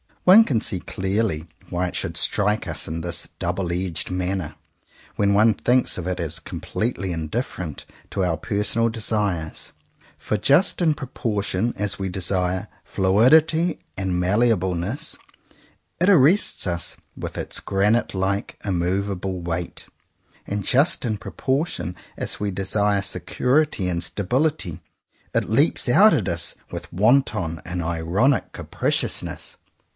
One can see clearly why it should strike us in this double edged manner when one thinks of it as completely indifferent to our personal desires; for just in proportion as we desire fluidity and malleableness, it arrests us with its granite like immovable weight; and just in proportion as we desire security and stability, it leaps out at us with wanton and ironic capriciousness.